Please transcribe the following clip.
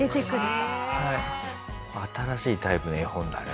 新しいタイプの絵本だね